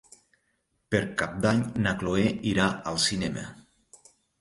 Per Cap d'Any na Cloè irà al cinema.